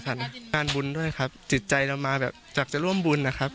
งานบุญด้วยครับจิตใจเรามาแบบอยากจะร่วมบุญนะครับ